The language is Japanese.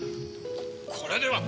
ここれでは？